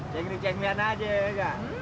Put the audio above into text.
cengkir cengkiran saja ya nggak